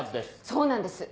そうなんです。